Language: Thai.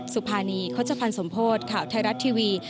สุภานีโฆษภัณฑ์สมโพธิ์ข่าวไทยรัฐทีวี